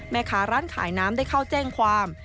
แม่ค้าร้านขายน้ำได้เข้าแจ้งความ